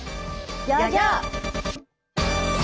ギョギョ！